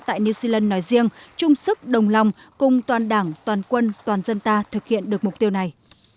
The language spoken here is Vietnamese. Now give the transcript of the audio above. tại new zealand nói riêng chung sức đồng lòng cùng toàn đảng toàn quân toàn dân ta thực hiện được mục tiêu này